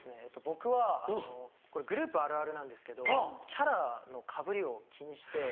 僕はこれグループあるあるなんですけどキャラのかぶりを気にして。